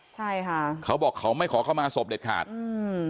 ใช่ค่ะเขาบอกเขาไม่ขอเข้ามาศพเด็ดขาดอืม